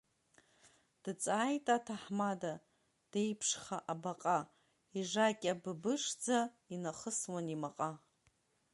Дҵааит аҭаҳмада, деиԥшха абаҟа, ижакьа быбшӡа инахысуан имаҟа.